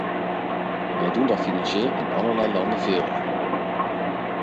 Wij doen daar financieel in allerlei landen veel aan.